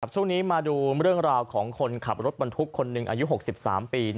ช่วงนี้มาดูเรื่องราวของคนขับรถบรรทุกคนหนึ่งอายุ๖๓ปี